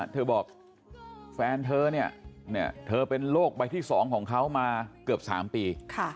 เธอบอกแฟนเธอเนี่ยเธอเป็นโรคใบที่๒ของเขามาเกือบ๓ปี